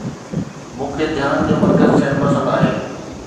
مون کي ڌيان جو مرڪز ٿيڻ پسند آهي